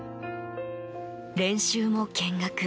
練習も見学。